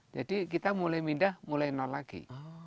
jadi kita mulai mindah mulai nol lagi